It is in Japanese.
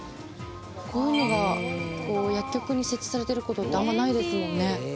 こういうのが薬局に設置されてる事ってあんま、ないですもんね。